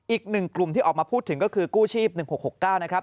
อีกหนึ่งกลุ่มที่ออกมาพูดถึงก็คือกู้ชีพ๑๖๖๙นะครับ